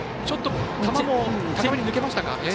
ちょっと抜けましたか。